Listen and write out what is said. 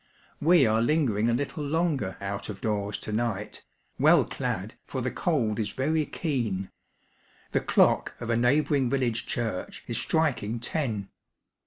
We are lingering a Uttle longer out of doors to night, well dad, for the cold is very keen. The dock of a neighbouring village diurch is striking ten.